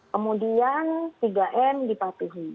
kemudian tiga m dipatuhi